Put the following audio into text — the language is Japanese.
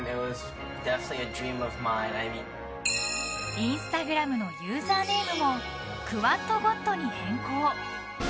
Ｉｎｓｔａｇｒａｍのユーザーネームもクワッドゴッドに変更。